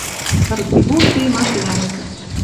Тырти-вурти — машинӓшкӹ.